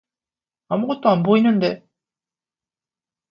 아무것도 안 보이는데.